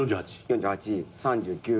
４８３９。